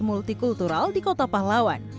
multi kultural di kota pahlawan